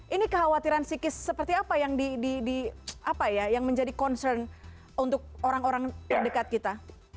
ini kekhawatiran psikis seperti apa yang menjadi concern untuk orang orang terdekat kita